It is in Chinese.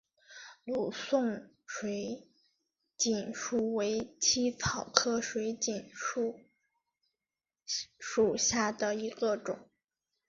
吕宋水锦树为茜草科水锦树属下的一个种。